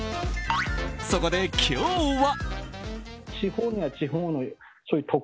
そこで今日は。